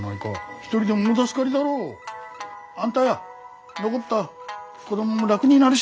１人でも大助かりだろ。あんたや残った子供も楽になるし。